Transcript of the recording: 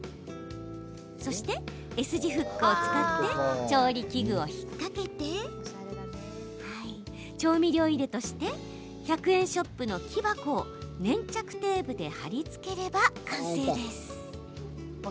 そして、Ｓ字フックを使って調理器具を引っ掛けて調味料入れとして１００円ショップの木箱を粘着テープで貼り付ければ完成。